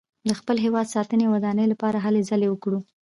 د خپل هېواد ساتنې او ودانۍ لپاره هلې ځلې وکړو.